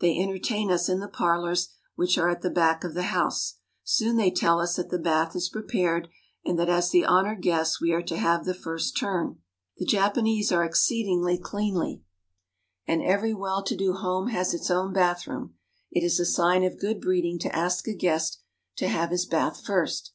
They entertain us in the parlors, which are at the back of the house. Soon they tell us that the bath is prepared, and that as the honored guests we are to have the first turn. The Japanese are exceedingly cleanly, and every well to do home has its own bathroom. It is a sign of good breed ing to ask a guest to have his bath first.